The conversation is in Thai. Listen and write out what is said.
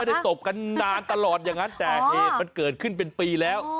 ได้ตบกันนานตลอดอย่างนั้นแต่เหตุมันเกิดขึ้นเป็นปีแล้ว